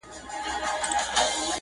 خدای درکړی دی جمال دی صدقې.